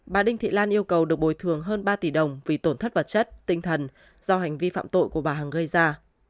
bà đinh thị lan yêu cầu được bồi thường hơn ba tỷ đồng vì tổn thất vật chất tinh thần do hành vi phạm tội của bà hằng gây ra